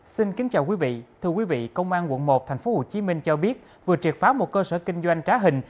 xin kính chào quý vị thưa quý vị công an quận một tp hcm cho biết vừa triệt phá một cơ sở kinh doanh trá hình